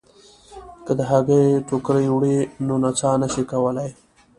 که د هګیو ټوکرۍ وړئ نو نڅا نه شئ کولای.